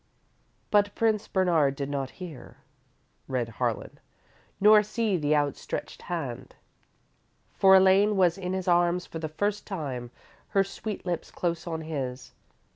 But Prince Bernard did not hear, read Harlan, _nor see the outstretched hand, for Elaine was in his arms for the first time, her sweet lips close on his.